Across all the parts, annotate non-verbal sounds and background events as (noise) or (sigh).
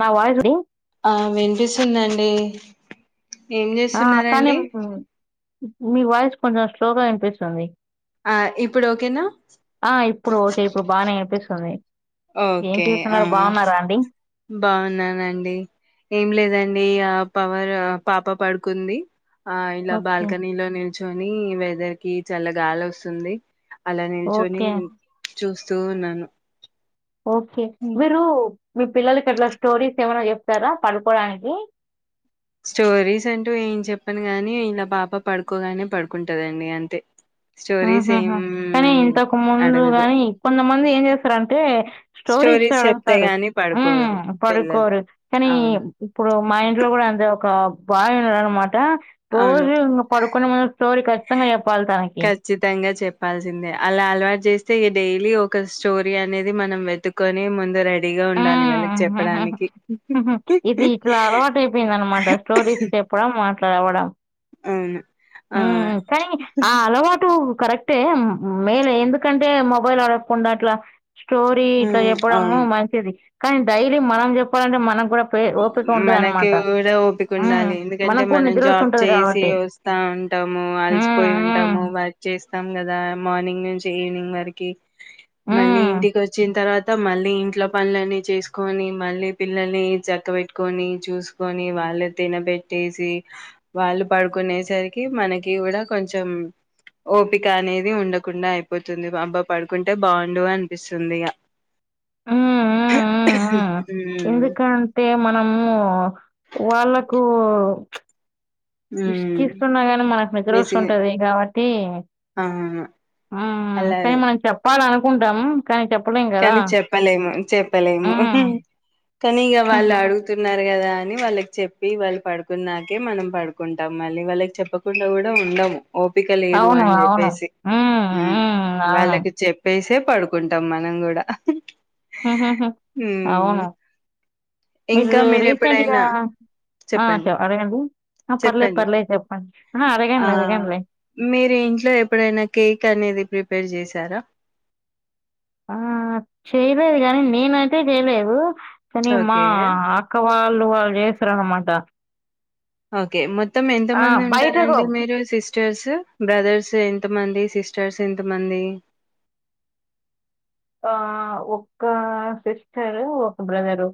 నా వాయిస్ డి ఆ వినిపిస్తుందండి ఏం ఆ కానీ చేస్తున్నారండి మీ వాయిస్ కొంచెం స్లోగా ఇనిపిస్తుంది ఆ ఇప్పుడు ఓకేనా ఆ ఇప్పుడు ఓకే ఇప్పుడు బాగానే అనిపిస్తు సమీ ఓకే ఆ అండి బాగున్నానండి ఏం లేదండి ఆ పవర్ పాప పడుకుంది ఆ ఇలా ఓకే బాల్కనీలో నిల్చు కానీ వెదర్ కి చాల్ల గాలి వస్తుంది అలా నిన్చోని ఓకే చూస్తూ ఉన్నాను ఓకే హ్మ్. మీరు మీ పిల్లలకి అట్లా స్టోరీస్ ఎవరో చెప్తారా పడుకోడానికి స్టోరీస్ అంటూ ఏం చెప్పను గానీ ఇలా పాప పడుకోగానే పడుకుంటందండి అంతే ఉ స్టోరీస్ ఏం కానీ ఇంతకు ముందు అడగదు కాని కొంతమంది ఏం చేస్తారంటే స్టోరీ ఇస్ స్టోరీస్ చెప్తే అడుగుతాడు గాని పడుకోరు హ పిల్లలు పడుకోరు కానీ అవును ఇప్పుడు మా ఇంట్లో కూడా అంతే ఒక బాయ్ ఇర్ర మాట అవును. రోజు పడుకునే ముందు స్టోరి కచ్చితంగ చెప్పాలి తనకి ఖచ్చితంగా చెప్పాల్సిందే అలా అలవాటు చేస్తే ఈ డైలీ ఒక స్టోరీ అనేది మనం వెతుకొని ముందు రెడి ఉ ఇది ఇట్లా అలవాటు అయిపోయింది అనమాట స్టోరీస్ చెప్పడం మా అట్లాఎవడం అవును ఆ! కానీ ఆ అలవాటు కరెక్ట్ అంటే మేలే ఎందుకంటే మొబైల్ అడగకుండా అట్లా స్టోరీ ఇట్లా హ్మ్. చెప్పడము అవును. మంచిది కానీ డైలి మనం చెప్పాలంటే మనం కూడా పే ఓపిక ఉంటది మనకి అనమాట కూడా ఓపిక ఉండాలి ఎందుకంటే మనకు కూడా మనం నిద్ర జాబ్ వస్తుంటది చేసి కాబట్టి వస్తావంట్ అంటాము ఉమ్ అలసిపోయి ఉమ్ ఉంటాము వర్క్ చేస్తాం కదా మార్నింగ్ నుంచి ఈవినింగ్ వరకి మళ్ళీ ఇంటికి వచ్చిన తర్వాత మళ్ళీ ఇంట్లో పనులన్నీ చేసుకొని మళ్ళీ పిల్లల్ని చద్ పక్క పెట్టుకొని చూసుకొని వాళ్ళు తినబెట్టేసి వాళ్ళు పడుకునేసరికి మనకి కూడా కొంచెం ఓపిక అనేది ఉండకుండా అయిపోతుంది అబ్బా పడుకుంటే బాగుండు అనిపిస్తుంది ఇక మ్మ్ హ్మ్ హ్మ్ ఎందుకంటే మ అమ్మో వాళ్ళకూ ప్చ్ హ్మ్ ఇసుకిస్తున్నా గాని మనకు నిద్ర విసి వస్తుంటది కాబట్టి ఆ హ్మ్ అలా కానీ మనకు చెప్పాలను కుంటం కానీ చెప్పలేము చెప్పలేము మ్మ్ కానీ ఇగ వాళ్ళు అడుగుతున్నారు కదా. అని వాళ్ళకి చెప్పి వాళ్ళు పడుకున్నాకే మనం పడుకుంటాం. మళ్ళీ వాళ్ళకి చెప్పకుండా కూడా ఉండము. ఓపిక లేదు అవును అని అవును చెప్పేసి మ్మ్ హ్మ్ మ్మ్ అవును వాళ్ళకి చెప్పేసే పడుకుంటాం మ మనం కూడా ఉమ్ అవును ఇంకా మీరు ఎప్పుడైనా ఆ చెప్పండి చెప్పండి అడగండి చెప్పండి ఆ అడగండి అడగండి లే మీరు పెళ్లి చేశారా ఆ చేయలేదు, గాని నేనైతే చేయలేదు. కాని మా ఓకే అక్క వాల్ వాళ్ళు చేస్తారనమాట ఓకే మొత్తం ఎంత ఆ! మంది బయటకు ఉంటారండి మీరు సిస్టర్సు బ్రదర్స్ ఎంత మంది సిస్టర్స్ ఎంత మంది ఆ ఒక్క సిస్టరు ఒక బ్రదరు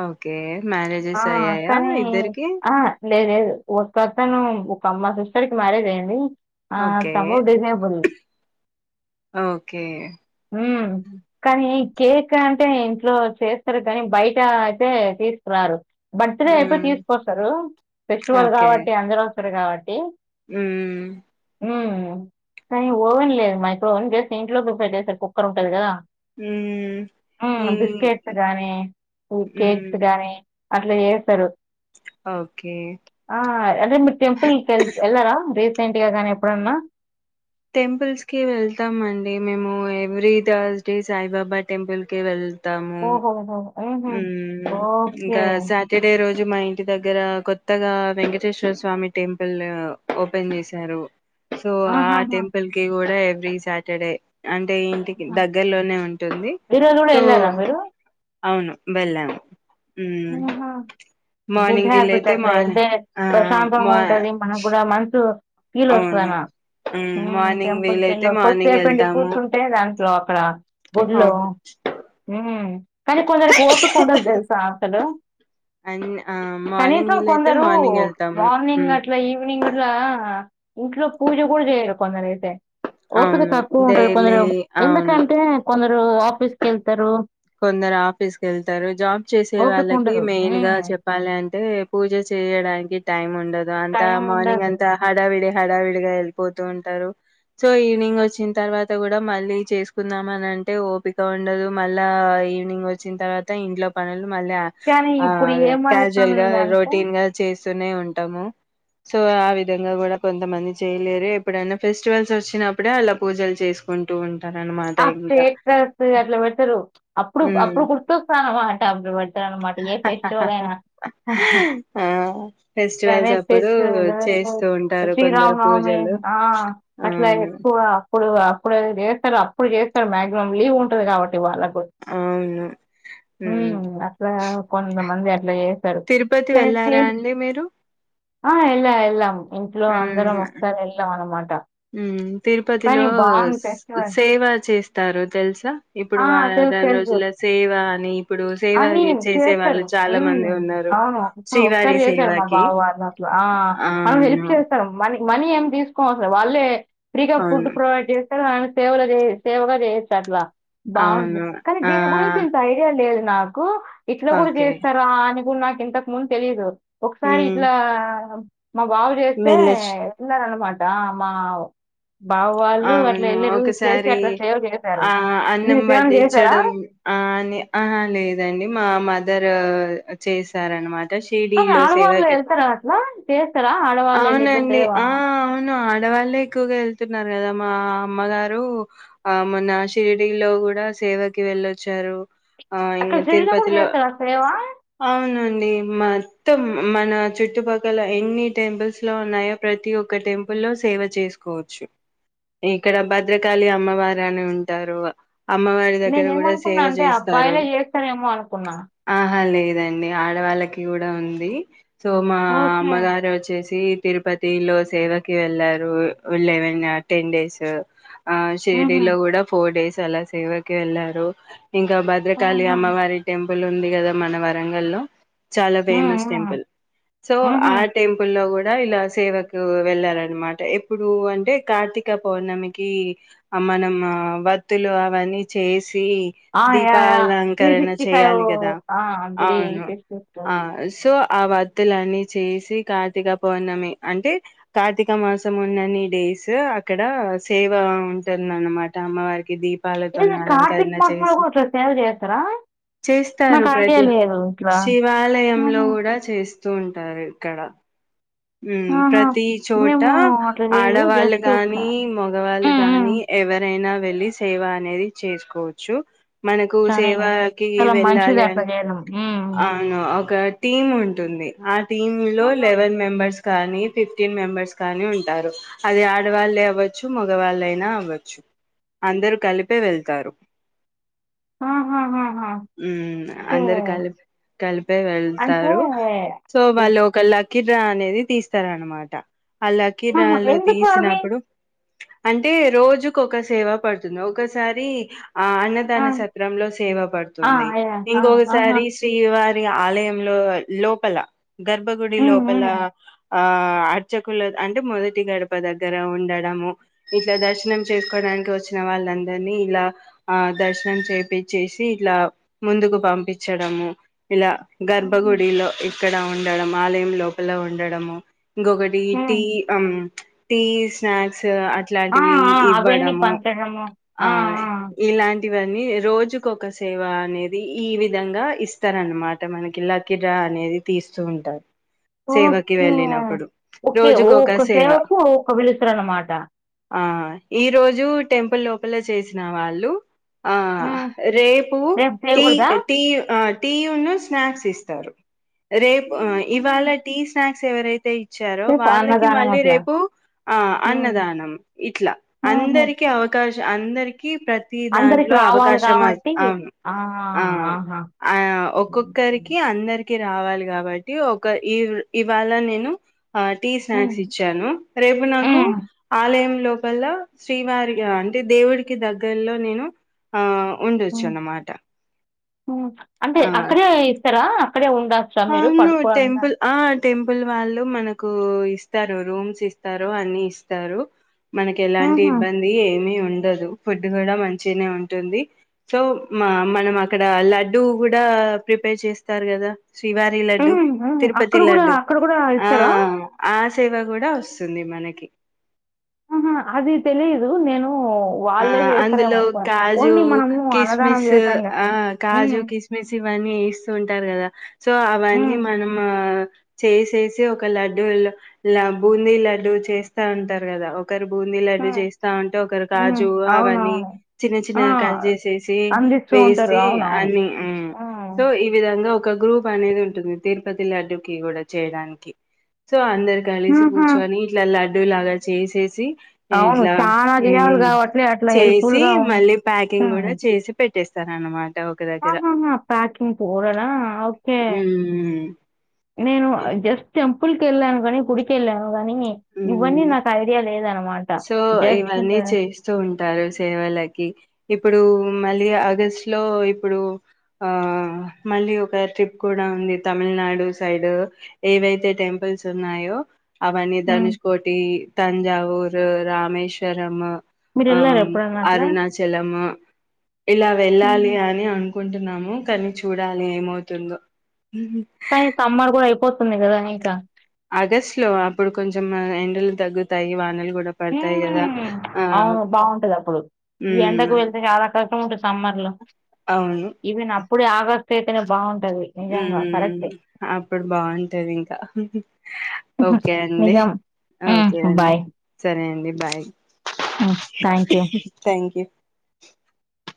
ఓకే. ఆ మ్యారేజెస్ అయ్యాయా కాని ఇద్దరికి? ఆ లేదు లేదు ఒకతను తం మా సిస్టర్ కి మ్యారేజ్ అయింది. ఆ ఓకే. సమోదేనే బల్ (unintelligible) ఓకే హ్మ్ కానీ కేక్ అంటే ఇంట్లో చేస్తారు కానీ బయట అయితే తీసుకురారు. బర్త్ డే అయితే హ్మ్. తీసుకొస్తరు ఫెస్టివల్ ఓకే. కాబట్టి అందరూ అక్కడ కాబట్టి హ్మ్ హ్మ్ కానీ ఓవెన్ లేదు మైక్రోఓవెన్ జస్ట్ ఇంట్లో ప్రిపేర్ చేస్తారు. కుక్కర్ ఉంటది కదా హ్మ్. హ్మ్ ఈ బిస్కెట్ గాని హ్మ్. కేక్స్ గాని అట్లా చేస్తరు ఓకే. ఆ అంటే మీరు టెంపుల్ కి ఎల్లారా రేపు ఏంటిగా గా నీ ఎప్పుడున్నా టెంపుల్స్ కి వెళ్తాం అండి మేము every Thursday Saibaba temple కి వెళ్ ఓహో హో హ్మ్మ్ ఇంకా సాటర్డే ఈ రోజు మా ఇంటి దగ్గర కొత్తగా వెంకటేశ్వర స్వామి టెంపుల్ ఓపెన్ చేశారు సో ఆ ఆహాహా! టెంపుల్ కి కూడా ఎవరీ సాటర్డే అంటే ఇంటికి ఆహా! దగ్గరలోనే ఉంటుంది ఈరోజు గూడా సో యెళ్లారా మీరు? అవును వెళ్లాం హ హా గుడ్ హ్యాబిట్ వీలైతే మార్ అట్లయితే ఆ ప్రశాంతంగా మా ఉంటది మనకి కూడా మనసు ఫీల్ అవును వస్తాదనా మ్మ్ మార్నింగ్ టెంపుల్ వీలైతే కేల్లి మార్నింగ్ కొద్దిసేపండి వెళ్తాము కూర్చుంటే దాం రోకడ గుడ్లు అవును మ్మ్ కానీ కొందరి ఓపిక ఉండదు తెలుసా అండ్ మార్నింగ్ కనీసం వీలయితే కొందరు మార్నింగ్ వెళ్తాము ఇంగ ఇట్లా ఇంట్లో పూజ కూడా చేయరు కొందరు అయితే ఓపీక అవును తక్కువ ఉంటది కొందరు డైలీ అవును ఎందుకంటే కొందరు అ ప్ ఫీస్ కెళ్తారు కొందరు ఆఫీస్కి వెళ్తారు జాబ్ చేసే ఓపిక వాళ్ళకి ఉండదు మెయిన్ గా హ్మ్. చెప్పాలి అంటే పూజ చేయడానికి టైం ఉండదు అంతా టైం మార్నింగ్ ఉండదు. అంతా హడా విడి హడావిడిగా వెళ్ళిపోతూ ఉంటారు సో ఈవినింగ్ వచ్చిన తర్వాత కూడా మళ్ళీ చేసుకుందాం అని అంటే ఓపిక ఉండదు మళ్ ఇలా ఈవినింగ్ వచ్చిన తర్వాత ఇంట్లో పనులు మళ్ళీ కానీ ఆ ఇప్పుడు క్యాజువల్ గా ఏమైతుందంటే రొటీన్ గా చేస్ ూనే ఉంటాము సో ఆ విధంగా కూడా కొంతమంది చేయలేరు ఎప్పుడైనా ఫెస్టివల్స్ వచ్చినప్పుడే అలా పూజలు చేసుకుంటూ ఉం ఆ ఫేక్ డ్రెస్సు అట్లా పెట్టరు అప్పుడు హ్మ్. అప్పుడు గుర్తొస్తా అనమాట అప్పుడు పెడ్తారు అనమాట ఏ ఫెస్టివల్ అయినా ఆ సరే ఫెస్టివల్స్ అప్పుడు పెటిలు చేస్తూ ఉంటారు శ్రీరామ కొందరు నవమి పూజలు ఆ అట్లా అవును ఎక్కువ అప్పుడు అప్పుడు చేస్తారు ఇప్పుడు చేస్తారు మాక్సిమం లీవ్ ఉంటది కాబట్ ట్టి వాళ కు అవును మ్ మ్మ్ అట్లా కొంత మంది అట్ లే తిరుపతి వెళ్ళారా అండి మీరు ఆ ఎల్లా ఎల్లాము ఇంట్లో అందరం మ్ ఒకసారి వెళ్ళాం అనమాట మ్ కానీ తిరుపతిలో బాగుంది స్- ఫెస్టివల్ సేవ చేస్తారు తెలుసా ఇప్పుడు ఆ! వా తెలుసు. దాని తెలుసు. రోజుల సేవ అని ఇప్పుడు సేవ అని చేసే చేస్తారు. వాళ్ళు చాలా మంది హ్మ్. ఉన్నారు అవును. ఇప్పుడు శ్రీవారి ఒకసారి చేశారు మా సేవకి బావ ఆ స్తారు మనీ మనీ ఏం తీసుకనివాసం లేదు వాళ్ళే ఫ్రీగా ఫుడ్ అవును ప్రొవైడ్ జే ఎ సేవలోజ్ సేవగా చేస్తే ఎట్లా బాగుంది అవును కాని ఆ దీని గురించి ఇంత ఐడియా లేదు నాకు ఇట్లా కూడా ఓకే చేస్తారా అని మూ నా ఇంతకు ముందు తెలిదు ఒకసారి మ్ ఇట్లా మా బాబు చేస్తే వెళ్ళొచ్చు తిన్నాను అన్నమాట రామ వ్ బావ వాళ్ళు అట్లా అవును వెళ్ళిరు చేసి ఒకసారి అట్లా సేవ్ చేశారు. ఆ అన్నం మీరేమైనా చేశారా? వడ్డించడం ఆ అని ఆ లేదండి మా మధ్ అందరు చేశారన్నమాట సిరిడి కానీ లో ఆడవాళ్ళు సిదకే వెళ్తారా అట్లా చేస్తారా ఆడవాళ్ళు వెళ్ళి ఇట్లా అవునండి సేవ ఆ అవును ఆడవాళ్ళ ఎక్కువగా వెతు న్నారు కదా మా అమ్మగారు ఆ మొన్న సిరిడిలో కూడా సేవకి వెళ్ళొచ్చారు ఆ అక్కడ ఇంగ శల్లో కూడా తిరుపతిలో చేస్తార సేవా అవునండి మొత్తం మన చుట్టుపక్కల ఎన్ని టెంపుల్స్ లో ఉన్నాయో ప్రతి ఒక్క టెంపుల్ లో సేవ చేసుకోవచ్చు ఇక్కడ భద్రకాళి అమ్మవారు అని ఉంటారు అమ్మవారి దగ్గర నేనే కూడా సేవ ఏమనుకున్నాను అంటే చేస్తారు అబ్బాయిలే చేస్తానేమో అనుకున్నా ఆ లేదండి ఆడవాళ్ళకి కూడా ఉంది సో మా ఓకే అమ్మగారు వచ్చేసి తిరుపతిలో సేవకి వెళ్ళారు వెళ్ళవే నా టేన్ డేస్ ఆ మ్హూ. షిర్డీలో కూడా ఫోర్ డేస్ తేలా సేవకి వెళ్ళారు ఇంకా భద్రకాళి ఆహా. అమ్మవారి టెంప్ పబ్బులు ఉంది కదా మన వరంగల్లో చాలా మ్మ్, ఫేమస్ మ్మ్, టెంపుల్ సో ఆ మ్మ్. టెంపుల్ లో కూడా ఇలా సేవకు వెళ్ళార్ అన్ మాట ఎప్పుడు అంటే కార్తీక పౌర్ణమికి మనం వత్తులు అవన్నీ చేసి ఆ, యా యా త్రీ దీపాలంకరణ సిక్స్టీ ఫైవ్ చేయాలి కదా త్రీ అవును సిక్స్టీ ఫైవ్ ఆ సో ఆ వత్తులన్నీ చేసి కార్తీక పౌర్ణమి అంటే కార్తీక మాసం ఉన్నన్ని డేస్ అక్కడ సేవ ఉంటుంద అనమాట అమ్మవారికి దీప ఏది పాలతోనే కార్తీక అలంకరణ మాసంలో చేసి కూడా ఇట్లా సేవ చేస్తారా చేస్తారు నాకు ఐడియా ప్రతి లేదు ఇట్లా శివాలయంలో ఆహా, కూడా చేస్త వస్తూ ఉంటారు ఇక్కడ ఆహా. ప్రతి చోట మేము అట్లా లేదు ఆడవాళ్ళు జస్ట్ ఒక కానీ మగవాళ్ళు మ్మ్, మ్మ్. కానీ ఎవరైనా వెళ్ళి సేవ అనేది చేసుకోవచ్చు మనకు చాలా సేవాకి చాలా మంచిది వెళ్ళాలి. అట్లా చేయడం మ్మ్. ఆ అవును ఒక టీమ్ ఉంటుంది ఆ టీమ్ లో ఆహా. లెవెన్ మెంబర్స్ కానీ ఫిఫ్టీన్ మెంబర్స్ కానీ ఉంటారు. అది ఆడవాళ్ళే అవ్వచ్చు మగవాళ్ళయినా అవ్వచ్చు. అందరు కలిపే వెళ్తారు. ఆహాహాహా! హ్మ్ ఓకే. అందరు కలిపి కలిపే అంటే వెళ్తారు. సో హ్మ్. వాళ్ళు ఒక్క లక్కీ కిరా అనేది తీస్తార అనమాట అళ్లా ఆహా! కిీరాలు ఎందుకు అవి? తీసినప్పుడు అంటే రోజుకు ఒక సేవ పడుతుంది. ఒకసారి ఆ ఆ! అన్నదాన సత్రంలో సేవ ఆ! పడుతుంది. యాహ్! ఆ! ఆహా! ఇంకొకసారి శ్రీవారి మరి ఆలయంలో లోపల గర్భగుడి లో హ్మ్. హ్మ్. బెల్లగా ఆ అర్చకుల అంటే మొదటి గడప దగ్గర ఉండడము. ఇట్లా దర్శనం చేసుకోడానికి వచ్చిన వాళ్ళందరినీ ఇలా ఆ దర్శనం చేప్పించేేసి ఇట్లా ముందుకు పంపించడము. ఇలా హుహు. గర్భగుడిలో ఇక్కడ ఉండడం ఆలయంలో అలా ఉండడము ఇంగోక్కటి టీ హ్మ్. అమ్ టీ స్నాక్స్ ఆ! అట్లాంటివి ఆ! అవన్నీ ఇవ్వడం పంచడము. అ ఆ! ఆ! ఇలాం ఇవన్నీ రోజుకు ఒక సేవ అనేది ఈ విధంగా ఇస్తారనమాట మనకి. లక్కీ డ్రా అనేది తీస్తూ ఉంటారు. సేవకి ఓకే వెళ్ళినప్పుడు ఓకే రోజుకొక ఒక్క సేవ సేవకు ఒక్కరు పిలుత్తరు అన్మాట ఆ ఈరోజు టెంపుల్ లోపల చేసిన వాళ్ళు ఆ హ్మ్. రేపు తీజ్ తీజ్ ఆ టీ ఉన్ను స్నాక్స్ ఇస్తారు రేపు ఇవాళ హుహుహు. స్నాక్స్ ఎవరైతే వచ్చారో రేపు వాళ్ళకి అన్నదానం మళ్ళీ అట్లా. రేపు ఆ హ్మ్. అన్నదానం ఇట్లా ఆహా! అందరికి అవకాశం అందరికి ప్రతి ప్రతి అందరికి దాంట్లో రావాలి అవకాశం కాబట్టి ఆ ఆ! ఆహా! ఆ హ్మ్. ఒక్కొక్కరికి అందరికి అందరికి రావాలి కాబట్టి ఒక ఈ ఇవాళ నేను ఆ టీ స్నాక్స్ హ్మ్. ఇచ్చాను. రేపు నాకు ఆలయం లోపల్ల శ్రీవారిగా అంటే దేవుడికి దగ్గర్లో నేను ఆ ఉండొచ్చు మ్ అన్నమాట మ్ అంటే అక్కడే ఇస్తరా అవ్ను టెంపుల్ ఆ టెంప్ ఫుల్ వాళ్ళు మనకు ఇస్తారు రూమ్స్ ఇస్తారు అన్ని ఇస్తారు. మనకెలాంటి ఆహా! ఇబ్బంది ఏమీ ఉండ్ ఉండదు ఫుడ్డు కూడా మంచిగనే ఉంటుంది సో మా మనం అక్కడ లడ్డూ కూడా ప్రిపేర్ చేస్తారు గదా శ్రీవారి లడ్డు హ్మ్. హ్మ్. అక్కడ తిరుపతి గూడా లడ్డు అక్కడ గూడా ఆ ఇస్తారా? ఆ సేవ గూడా వస్ స్తుంది మనకి ఆహ అది తెలీదు నేను ఆ వాళ్ళే చేస్తారేమో అందులో అనుకున్నాను. కాజు ఓన్లీ మనము అన్నదానం కిస్మిస్సు చేశాంగా. ఆ కాజు హ్మ్. కిస్మిస్ ఇవన్నీ ఏస్తూ ఉంటారు కదా సో అవన్నీ హ్మ్. మనము చేసేసి ఒక లడ్డూలో ల బూందీ లడ్డూ చేస్తా ఉంటారు కదా ఒక్ ఒకరు బూందీ లడ్డు హ్మ్. చేస్తా ఉంటే ఒకరు హ్మ్. కాజు అవన్నీ అవునవును. చిన్న ఆ! చిన్నగ కట్ జేసేసి అందిస్తూ ఉంటారు. వేసి అవునవును. అన్ని మ్మ్ సో హ్మ్. ఈ విధం దంగా ఒక గ్రూప్ అనేది ఉంటుంది తిరుపతి లడ్డుకి గూడా చేయడానికి సో అన్ అందరు కలిసి ఆహా! కూర్చొని ఇట్లా లడ్ డ్డు లాగా చేసేసి అవును చానా జే మ్మ్ చేసి మళ్ళీ ప్యాకింగ్ గూడా చేసి పెట్టేస్ స్తరనమాట్ హ హ హ ప్యాకింగ్ పోడరా ఆ ఓకే ఉమ్ నేను జస్ట్ ఎం కుల్ కెల్లాను గనీ గుడి కెల్లావ్ మ్మ్ లేదనమాట. సో జస్ట్ ఇవన్నీ చేస్తూ ఉంటారు సేవలకి ఇప్పుడు మళ్ళీ ఆగస్ట్ లో ఇప్పుడు ఆ మళ్ళీ ఒక ట్రిప్ కూడా ఉంది తమిల్నాడు సైడు ఏవైతే థెంపుల్స్ ఉన్నాయో అవన్ హ్మ్. ధనుష్ కోటి తంజావ్ ఊరు రామేశ్వరము మీరెళ్లారా ఆమ్ ఎప్పుడన్నా అట్లా? అరుణాచలము ఇలా వెళ్ళాలి హుహు. అని అనుకుంటున్నాము కని చూడాలి ఏమవుతుందో కని సమ్మార్ కుడా ఐప్ పోతుంది కదా ఇంకా ఆగస్ట్ లో అప్పుడు కొంచెం మల్ ఎండలు తగ్గుతాయి వానలు గూడా పడతాయి గదా! మ్మ్ ఆ! అవును బావుంటదప్పుడు ఈ హ్మ్. ఎండకు వెళ్తే చాలా కష్టం ఉంటది సమ్మర్ లో అవును. ఈవిన్ అప్పుడే ఆగస్ పెడితేనే బాగుం మ్మ్ హ్మ్ అప్పుడు బావుంటది ఇంక ఒకే అండి నిజం. హ్మ్. ఒకే అండి బాయ్. సరే అండి బాయ్ హ్మ్. Thank you. థ్యాంక్ యూ కి